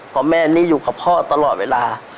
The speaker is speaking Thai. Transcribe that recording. เพราะแม่นี่อยู่กับพ่อตลอดเวลา